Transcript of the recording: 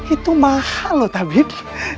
itu mahal loh tabib